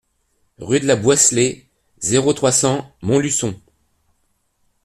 Rue de la Boisselée, zéro trois, cent Montluçon